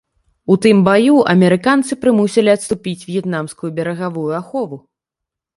У тым баю амерыканцы прымусілі адступіць в'етнамскую берагавую ахову.